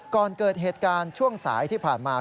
ก่อนเกิดเหตุการณ์ช่วงสายที่ผ่านมา